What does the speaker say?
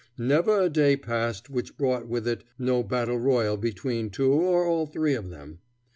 Never a day passed which brought with it no battle royal between two or all three of them.